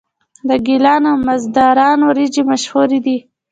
د ګیلان او مازندران وریجې مشهورې دي.